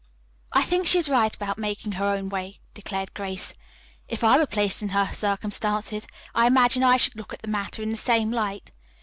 "I think she is right about making her own way," declared Grace. "If I were placed in her circumstances I imagine I should look at the matter in the same light.